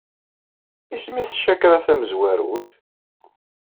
Isem-nnes tcakṛa tamezwarut?